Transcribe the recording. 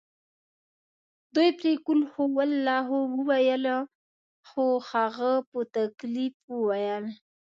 دوی پرې قل هوالله وویلې خو هغه په تکلیف وویل.